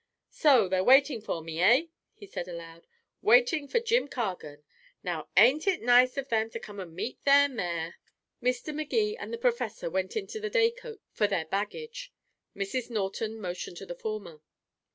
"So they're waiting for me, eh?" he said aloud. "Waiting for Jim Cargan. Now ain't it nice of them to come and meet their mayor?" Mr. Magee and the professor went into the day coach for their baggage. Mrs. Norton motioned to the former.